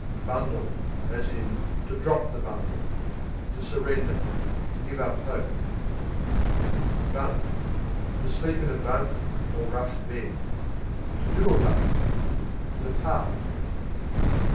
Bundle, to drop the To surrender; to give up hope. Bunk To sleep in a "bunk" or rough bed. To do a bunk To depart.